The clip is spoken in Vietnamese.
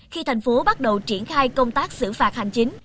khi thành phố bắt đầu triển khai công tác xử phạt hành chính